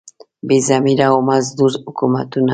بې ضمیره او مزدور حکومتونه.